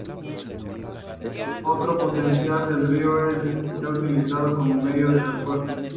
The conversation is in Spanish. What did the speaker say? Otro potencial del río es que es utilizado como medio de transporte.